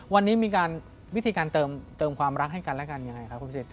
วันนี้มีวิธีการเติมความรักให้กันอย่างไรคะคุณพระพิสิต